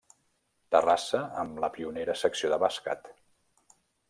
Terrassa, amb la pionera secció de bàsquet.